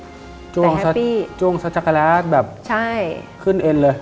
แต่แฮปปี้จุ้งสัตว์ชาคโกแลตแบบขึ้นเอ็นเลย